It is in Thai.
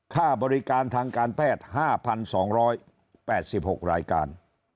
ค่าบริการทางการแพทย์๕๒๘๖รายการ